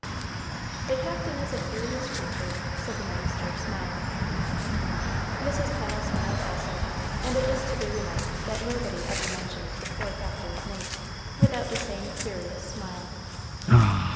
"The Captain is a curious creature," said the minister, smiling. Mrs. Pennel smiled also; and it is to be remarked that nobody ever mentioned the poor Captain's name without the same curious smile.